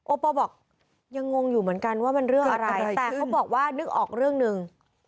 โปลบอกยังงงอยู่เหมือนกันว่ามันเรื่องอะไรแต่เขาบอกว่านึกออกเรื่องหนึ่ง